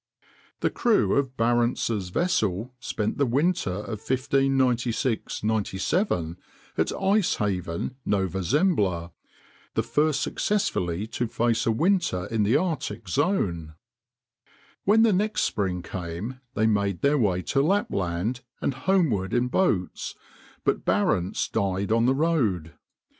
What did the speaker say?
The crew of Barentz's vessel spent the winter of 1596 97 at Ice Haven, Nova Zembla—the first successfully to face a winter in the Arctic zone. When the next spring came they made their way to Lapland and homeward in boats, but Barentz died on the road.